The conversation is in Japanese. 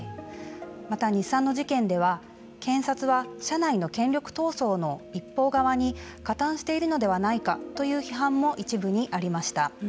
また日産の事件では検察は社内の権力闘争の一方側に加担しているのではないかという批判も一部にありました。